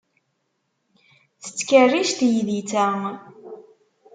Tettkerric teydit-a.